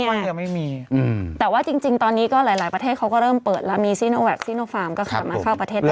แต่ว่าจริงตอนนี้ก็หลายประเทศเขาก็เริ่มเปิดแล้ว